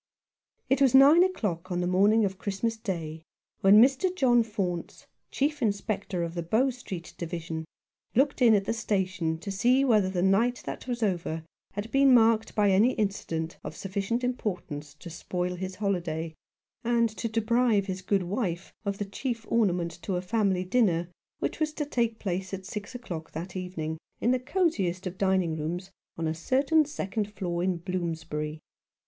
It was nine o'clock on the morning of Christmas Day when Mr. John Faunce, Chief Inspector of the Bow Street Division, looked in at the station to see whether the night that was over had been marked by any incident of sufficient importance to spoil his holiday, and to deprive his good wife of the chief ornament to a family dinner which was to take place at six o'clock that evening in the cosiest of dining rooms on a certain second floor in Bloomsbury.